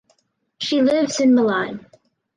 She lives in Milan.